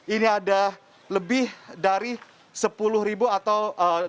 ini ada lebih dari sepuluh atau dua puluh empat